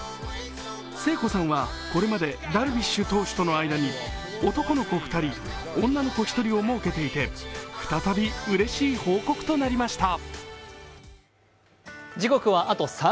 聖子さんは、これまでダルビッシュ投手との間に男の子２人、女の子１人をもうけていて、再びうれしい報告となりました。